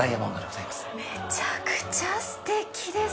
めちゃくちゃ素敵です！